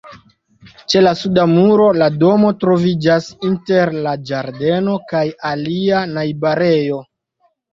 Ĉe la suda muro, la domo troviĝas inter la ĝardeno kaj alia najbarejo.